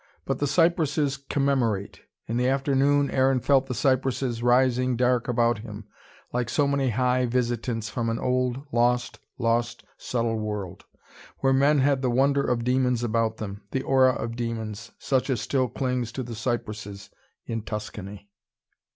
But the cypresses commemorate. In the afternoon, Aaron felt the cypresses rising dark about him, like so many high visitants from an old, lost, lost subtle world, where men had the wonder of demons about them, the aura of demons, such as still clings to the cypresses, in Tuscany.